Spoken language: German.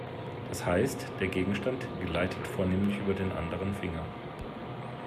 Das heißt, der Gegenstand gleitet vornehmlich über den anderen Finger.